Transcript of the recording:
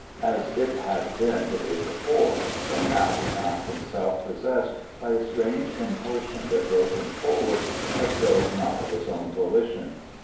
As it had been the day before, so now he found himself possessed by a strange impulsion that drove him forward as though not of his own volition.